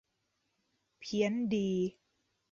เพี้ยนดี